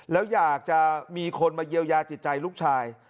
แล้วอยากจะมีคนมาเยียวยาจิตใจลูกชาย